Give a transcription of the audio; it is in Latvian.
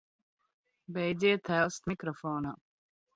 Beidziet elst mikrofonā!